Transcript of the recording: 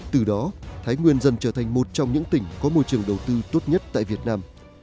từ đó thái nguyên dần trở thành một trong những tỉnh có môi trường đầu tư tốt nhất tại việt nam